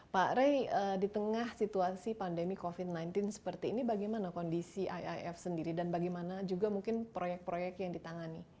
pak rey di tengah situasi pandemi covid sembilan belas seperti ini bagaimana kondisi iif sendiri dan bagaimana juga mungkin proyek proyek yang ditangani